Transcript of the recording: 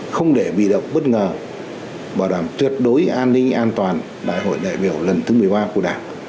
không để bị động bất ngờ bảo đảm tuyệt đối an ninh an toàn đại hội đại biểu lần thứ một mươi ba của đảng